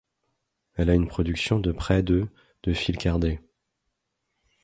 Elle a une production de près de de fils cardés.